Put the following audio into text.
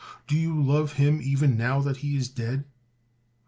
Do you love him even now that he is dead?